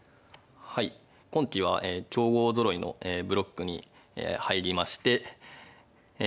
はい今期は強豪ぞろいのブロックに入りましてえ